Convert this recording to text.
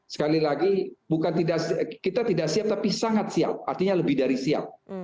sekali lagi kita tidak siap tapi sangat siap artinya lebih dari siap